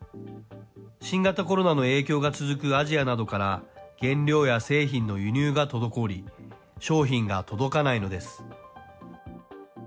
新型コロナの影響が続くアジアなどから、原料や製品の輸入が滞り、商品が届かないのです。